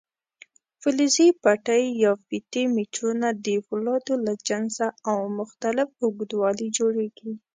فلزي پټۍ یا فیتې میټرونه د فولادو له جنسه او مختلف اوږدوالي جوړېږي.